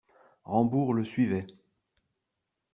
Rambourg le suivait.